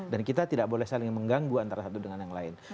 dan kita tidak boleh saling mengganggu antara satu dengan yang lain